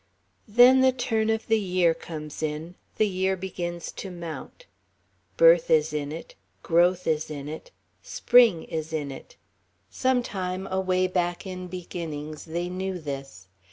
Then the turn of the year comes in, the year begins to mount. Birth is in it, growth is in it, Spring is in it. Sometime, away back in beginnings, they knew this.